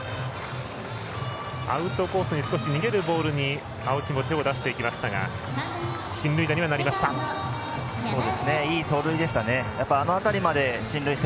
アウトコースに少し逃げるボールに青木も手を出してきましたが進塁打にはなりました。